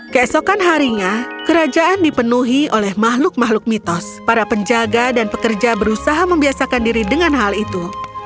keesokan harinya kerajaan dipenuhi oleh makhluk makhluk mitos para penjaga dan pekerja berusaha membiasakan diri dengan hal itu